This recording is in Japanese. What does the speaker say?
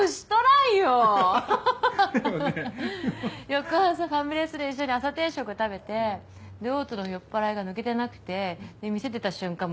翌朝ファミレスで一緒に朝定食食べてで大津の酔っ払いが抜けてなくてで店出た瞬間